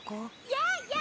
・やあやあ！